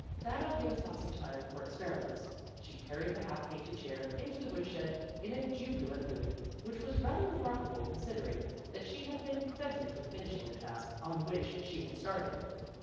That'll give us lots of time for experiments." She carried the half painted chair into the woodshed in a jubi A BUSY AFTERNOON 59 lant mood, which was rather remarkable con sidering that she had been prevented from finishing the task on which she had started.